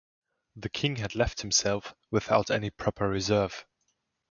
The King had left himself without any proper reserve.